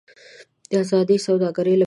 د ازادې سوداګرۍ لپاره باید لار هواره شي.